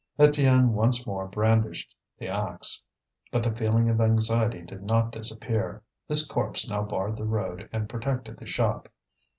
Étienne once more brandished the axe. But the feeling of anxiety did not disappear; this corpse now barred the road and protected the shop.